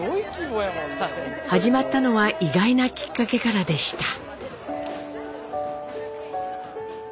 始まったのは意外なきっかけからでした。